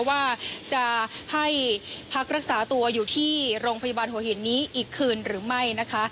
ว่าจะให้พักรักษาตัวอยู่ที่โรงพยาบาลหัวหินนี้อีกคืนหรือไม่นะคะ